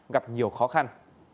gặp nhiều khó khăn